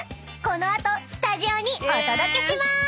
この後スタジオにお届けしまーす］